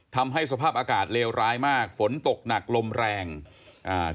ทำให้สภาพอากาศเลวร้ายมากฝนตกหนักลมแรงอ่า